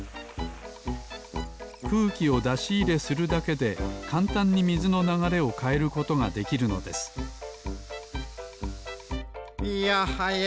くうきをだしいれするだけでかんたんにみずのながれをかえることができるのですいやはや